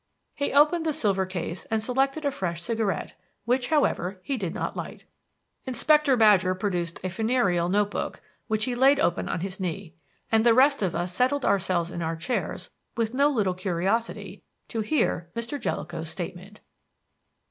He opened the silver case and selected a fresh cigarette, which, however, he did not light. Inspector Badger produced a funereal notebook, which he laid open on his knee; and the rest of us settled ourselves in our chairs with no little curiosity to hear Mr. Jellicoe's statement.